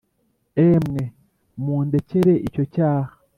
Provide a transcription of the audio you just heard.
emwe mundekere icyo cyaha